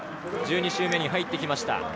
１２周目に入ってきました。